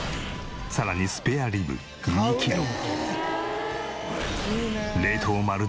さらにスペアリブ２キロ。